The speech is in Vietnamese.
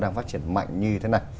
đang phát triển mạnh như thế này